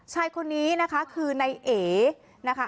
สาวคนนี้คือนายแหนะครับ